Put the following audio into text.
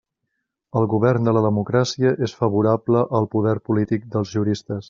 El govern de la democràcia és favorable al poder polític dels juristes.